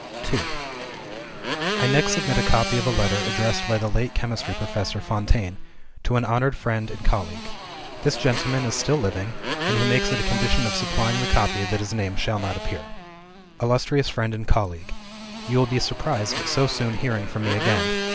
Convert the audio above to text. II I next submit a copy of a letter addressed by the late Chemistry Professor Fontaine to an honored friend and colleague. This gentleman is still living; and he makes it a condition of supplying the copy that his name shall not appear: "Illustrious Friend and Colleague, You will be surprised at so soon hearing from me again.